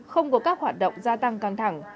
không có các hoạt động gia tăng căng thẳng